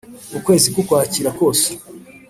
mu kwezi kw'ukwakira kose,